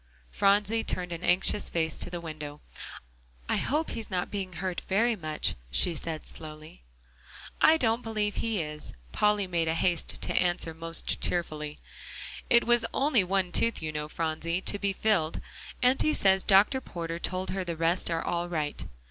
Phronsie turned an anxious face to the window. "I hope he's not being hurt very much," she said slowly. "I don't believe he is," Polly made haste to answer most cheerfully, "it was only one tooth, you know, Phronsie, to be filled. Auntie says Dr. Porter told her the rest are all right."